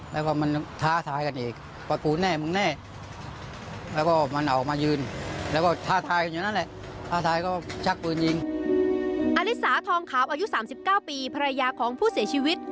อลิสาทองขาวอายุ๓๙ปีภรรยาของผู้เสียชีวิต